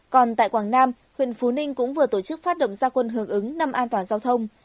còn tại quảng nam huyện phú ninh cũng vừa tổ chức phát động gia quân hưởng ứng năm an toàn giao thông